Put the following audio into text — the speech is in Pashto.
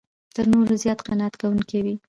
تر نورو زیات قناعت کوونکی وي.